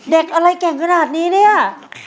เด็กอะไรเก่งขนาดนี้เนี่ย